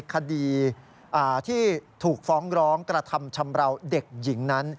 คดีที่ถูกฟ้องร้องกระทำชำราวเด็กหญิงนั้น